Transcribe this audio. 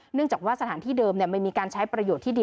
เนื่องจากว่าสถานที่เดิมมันมีการใช้ประโยชน์ที่ดี